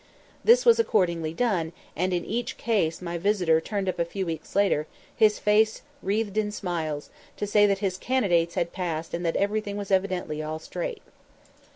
This was accordingly done, and in each case my visitor turned up a few weeks later, his face wreathed in smiles, to say that his candidates had passed and that everything was evidently all straight.